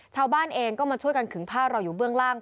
ชาวบ้านเองก็มาช่วยกันขึงผ้าเราอยู่เบื้องล่าง